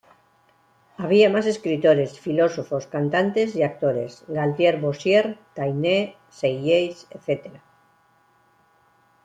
Había más escritores, filósofos, cantantes y actores: Galtier-Boissiere, Taine, Seailles...etc.